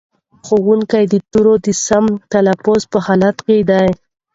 ښوونکی د تورو د سم تلفظ په حال کې دی.